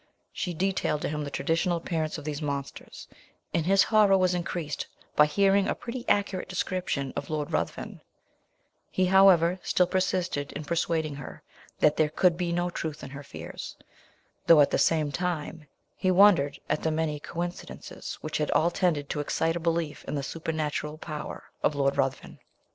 She detailed to him the traditional appearance of these monsters, and his horror was increased, by hearing a pretty accurate description of Lord Ruthven; he, however, still persisted in persuading her, that there could be no truth in her fears, though at the same time he wondered at the many coincidences which had all tended to excite a belief in the supernatural power of Lord Ruthven.